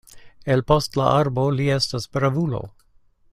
El post la arbo li estas bravulo.